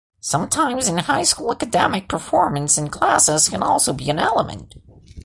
Sometimes in high schools academic performance in classes can also be an element.